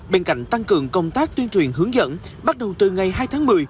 bên cạnh tăng cường công tác tuyên truyền hướng dẫn bắt đầu từ ngày hai tháng một mươi